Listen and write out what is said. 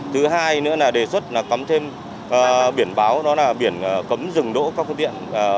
thứ hai nữa là đề xuất cấm thêm biển báo đó là biển cấm dừng đỗ các phương tiện